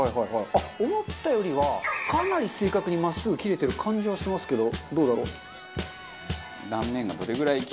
あっ思ったよりはかなり正確に真っすぐ切れてる感じはしますけどどうだろう。